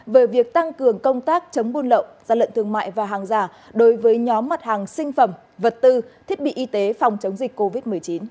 về việc tăng cường công tác chống buôn lậu gian lận thương mại và hàng giả đối với nhóm mặt hàng sinh phẩm vật tư thiết bị y tế phòng chống dịch covid một mươi chín